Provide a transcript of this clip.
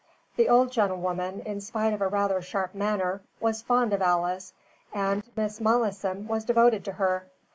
The old gentlewoman, in spite of a rather sharp manner, was fond of Alice, and Miss Malleson was devoted to her.